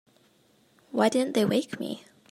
Why didn't they wake me?